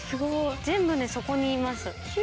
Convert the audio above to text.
全部ねそこにいます。